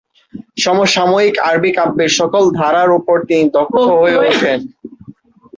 সমসাময়িক আরবি কাব্যের সকল ধারার উপর তিনি দক্ষ হয়ে উঠেন।